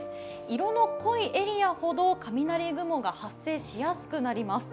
色の濃いエリアほど雷雲が発生しやすくなります。